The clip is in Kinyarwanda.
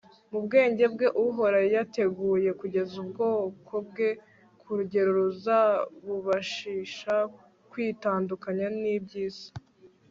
mu bwenge bwe, uhoraho yateguye kugeza ubwoko bwe ku rugero ruzabubashisha kwitandukanya n'iby'isi